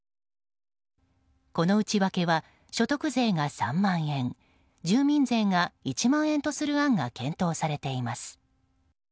この内訳は、所得税が３万円住民税が１万円とする案が検討されています。